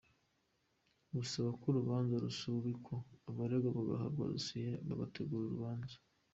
Busaba ko urubanza rusubikwa abaregwa bagahabwa dosiye bagategura urubanza.